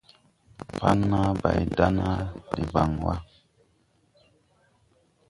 Pan naa hay da naa debaŋ.